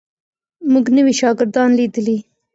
موږ نوي شاګردان لیدلي.